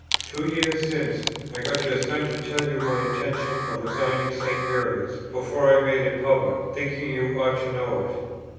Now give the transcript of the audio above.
Two years since, I got your son to tell you my intention of resigning St. Mary's, before I made it public, thinking you ought to know it.